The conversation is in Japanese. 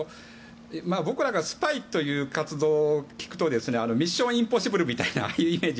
僕らがスパイという活動を聞くと「ミッション：インポッシブル」みたいなああいうイメージ。